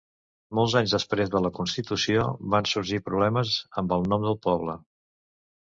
Molts anys després de la constitució, van sorgir problemes amb el nom del poble.